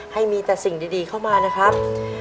ให้มีแต่สิ่งดีเข้ามานะครับ